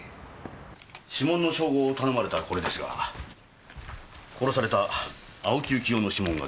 指紋の照合を頼まれたこれですが殺された青木由紀男の指紋が出ました。